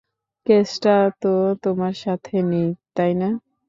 কেসটা তো তোমার সাথে নেই, তাই না?